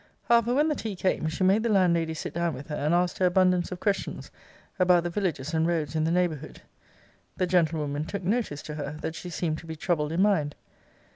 'However, when the tea came, she made the landlady sit down with her, and asked her abundance of questions, about the villages and roads in the neighbourhood. 'The gentlewoman took notice to her, that she seemed to be troubled in mind.